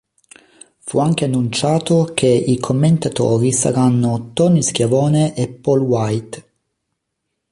Fu anche annunciato che i commentatori saranno Tony Schiavone e Paul Wight.